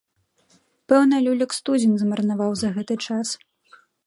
Пэўна люлек з тузін змарнаваў за гэты час.